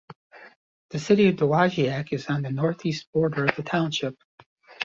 The city of Dowagiac is on the northeast border of the township.